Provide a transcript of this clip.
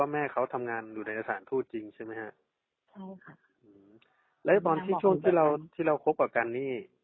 แม่เขาทำงานอยู่ในสถานทูตจริงใช่ไหมฮะใช่ค่ะแล้วตอนที่ช่วงที่เราที่เราคบกับกันนี่